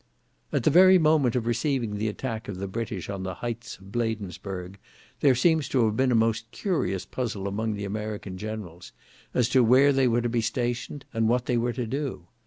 At the very moment of receiving the attack of the British on the heights of Bladensburgh, there seems to have been a most curious puzzle among the American generals, as to where they were to be stationed, and what they were to do.